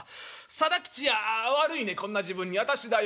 定吉や悪いねこんな時分に私だよ。